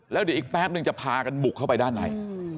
แล้วเดี๋ยวอีกแป๊บนึงจะพากันบุกเข้าไปด้านใน